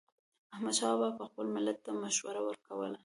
احمدشاه بابا به خپل ملت ته مشوره ورکوله.